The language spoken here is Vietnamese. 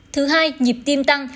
thứ hai nhịp tim tăng